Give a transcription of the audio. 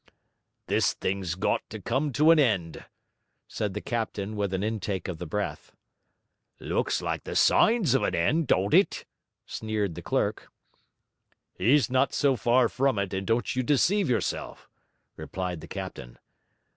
'This thing's got to come to an end,' said the captain with an intake of the breath. 'Looks like signs of an end, don't it?' sneered the clerk. 'He's not so far from it, and don't you deceive yourself,' replied the captain.